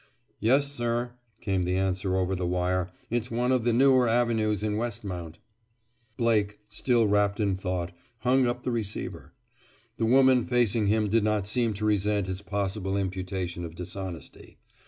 "Yes, sir," came the answer over the wire. "It's one of the newer avenues in Westmount." Blake, still wrapped in thought, hung up the receiver. The woman facing him did not seem to resent his possible imputation of dishonesty.